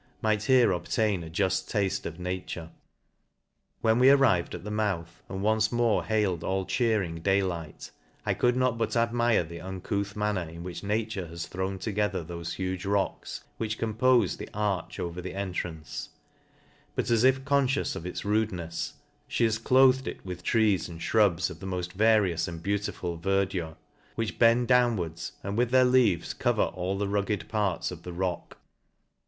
might here obtain a ju'ft tafte of Nature. When we arrived at the mouth, and once more hailed all chearing day light, I could not but admire the un couth manner in which Nature has thrown together thofe huge rocks, which compofe the arch over the entrance j but, as if confcious of its rudenefs, fhc has clothed it with trees and fhrubs of the moft va rious and beautiful verdure, which bend downwards, and with their leaves cover all the rugged parts oi the rock.